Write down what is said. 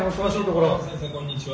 こんにちは。